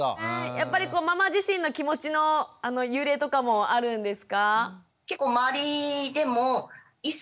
やっぱりママ自身の気持ちの揺れとかもあるんですか？